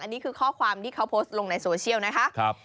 อันนี้คือข้อความที่เขาโพสต์ลงในโซเชียลนะคะ